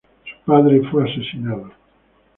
Su padre fue asesinado.